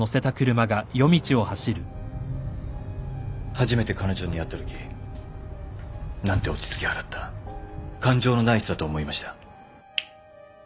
初めて彼女に会ったとき何て落ち着き払った感情のない人だと思いました。